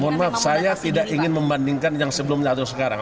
mohon maaf saya tidak ingin membandingkan yang sebelumnya atau sekarang